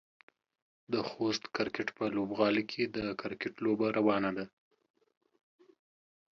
د خوست کرکټ په لوبغالي کې د کرکټ لوبه روانه ده.